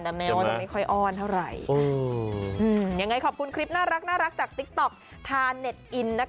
แต่แม้ว่าจะไม่ค่อยอ้อนเท่าไหร่ยังไงขอบคุณคลิปน่ารักจากติ๊กต๊อกทาเน็ตอินนะคะ